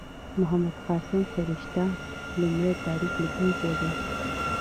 محمد قاسم فرشته لومړی تاریخ لیکونکی دﺉ.